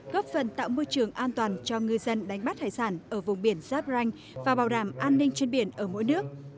góp phần tạo môi trường an toàn cho người dân đánh bắt hải sản ở vùng biển zabrang và bảo đảm an ninh trên biển ở mỗi nước